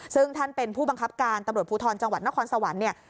ซึ่งท่านเป็นผู้บังคับการตำรวจภูทรจังหวัดนครสวรรค์เนี่ย